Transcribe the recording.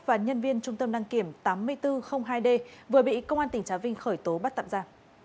và nhân viên trung tâm đăng kiểm tám nghìn bốn trăm linh hai d vừa bị công an tỉnh trà vinh khởi tố bắt tạm ra